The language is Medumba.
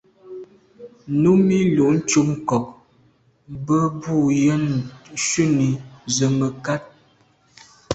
Númí lùcúp ŋkɔ̀k mbə̌ bū yə́nə́ shúnì zə̀ mə̀kát.